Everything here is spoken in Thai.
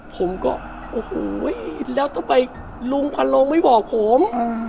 ผมก็โอ้โหแล้วต่อไปลุงอารมณ์ไม่บอกผม